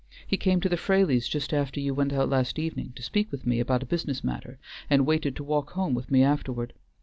"He came to the Fraleys just after you went out last evening, to speak with me about a business matter, and waited to walk home with me afterward.